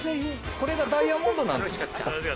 これがダイヤモンドなんです